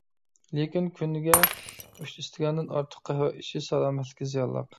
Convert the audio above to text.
لېكىن كۈنىگە ئۈچ ئىستاكاندىن ئارتۇق قەھۋە ئىچىش سالامەتلىككە زىيانلىق.